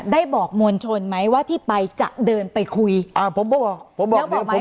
ได้บอกมวลชนไหมว่าที่ไปจะเดินไปคุยอ่าผมบอกผมบอกไหม